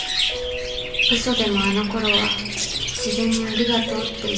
嘘でもあのころは自然にありがとうって言えたのに